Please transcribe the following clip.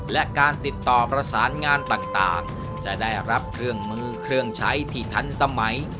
และการติดต่อประสานงานต่างจะได้รับเครื่องมือเครื่องใช้ที่ทันสมัย